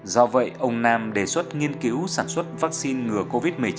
do vậy ông nam đề xuất nghiên cứu sản xuất vắc xin ngừa covid một mươi chín